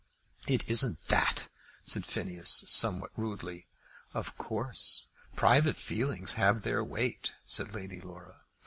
"It isn't that," said Phineas, somewhat rudely. "Of course private feelings have their weight," said Lady Laura.